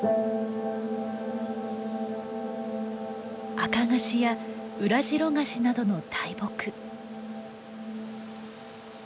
アカガシやウラジロガシなどの大木。